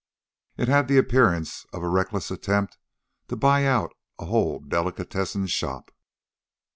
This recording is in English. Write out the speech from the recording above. It had the appearance of a reckless attempt to buy out a whole delicatessen shop.